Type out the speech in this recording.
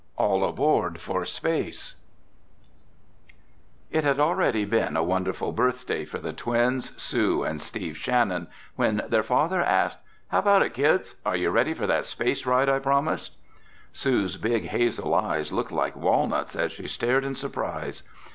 ALL ABOARD FOR SPACE It had already been a wonderful birthday for the twins, Sue and Steve Shannon, when their father asked, "How about it, kids—are you ready for that space ride I promised?" Sue's big hazel eyes looked like walnuts as she stared in surprise.